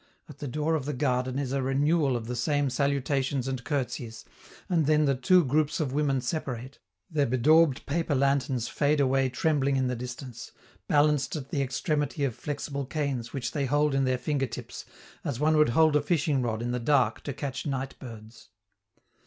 At the door of the garden is a renewal of the same salutations and curtseys, and then the two groups of women separate, their bedaubed paper lanterns fade away trembling in the distance, balanced at the extremity of flexible canes which they hold in their fingertips as one would hold a fishing rod in the dark to catch night birds.